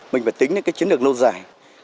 mình phải tính cái chiến lược lâu dài